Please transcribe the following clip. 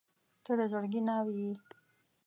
• ته د زړګي ناوې یې.